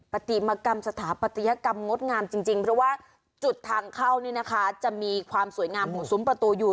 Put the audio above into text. ปฏิมกรรมสถาปัตยกรรมงดงามจริงเพราะว่าจุดทางเข้านี่นะคะจะมีความสวยงามของซุ้มประตูอยู่